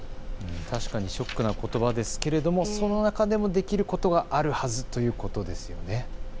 確かにショックなことばですけれどもそんな中でもできることがあるはずということですよね。